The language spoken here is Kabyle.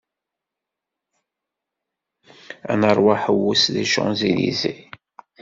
Ad neṛwu aḥewwes di Champs-Elysées.